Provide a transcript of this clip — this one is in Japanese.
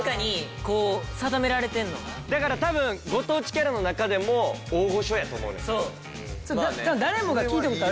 だから多分ご当地キャラの中でも大御所やと思うねんけど。